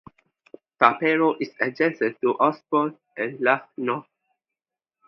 Taperoo is adjacent to Osborne and Largs North.